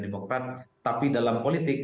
demokrat tapi dalam politik